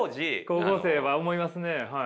高校生は思いますねはい。